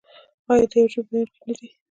آیا د یوې ژبې ویونکي نه دي؟